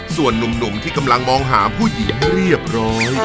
ส่วนนุ่มที่กำลังมองหาผู้หญิงเรียบร้อย